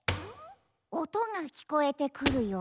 おとがきこえてくるよ。